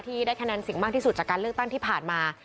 ได้คะแนนเสียงมากที่สุดจากการเลือกตั้งที่ผ่านมา